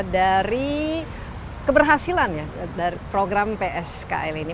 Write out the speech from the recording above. dari keberhasilan program pskl ini